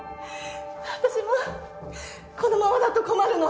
私もこのままだと困るの！